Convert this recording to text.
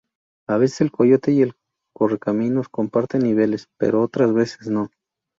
A veces El Coyote y el Correcaminos comparten niveles, pero otras veces no.